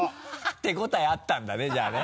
手応えあったんだねじゃあね。